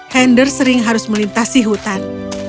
hender sering harus melintasi hutan